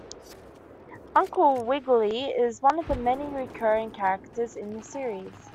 Uncle Wiggily is only one of many recurring characters in the series.